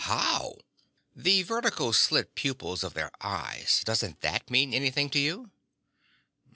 "How?" "The vertical slit pupils of their eyes. Doesn't that mean anything to you?"